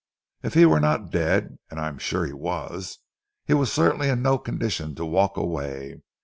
If he were not dead and I am sure he was he certainly was in no condition to walk away.